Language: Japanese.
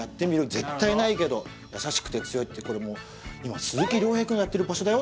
絶対ないけど優しくて強いってこれもう今鈴木亮平くんやってる場所だよ？